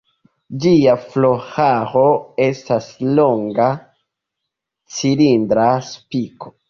Ĝia floraro estas longa cilindra spiko.